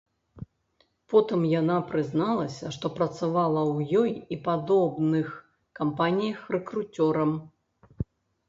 Потым яна прызналася, што працавала ў ёй і падобных кампаніях рэкруцёрам.